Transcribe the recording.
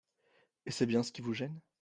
et c’est bien ce qui vous gêne